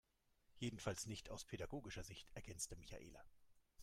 Jedenfalls nicht aus pädagogischer Sicht, ergänzte Michaela.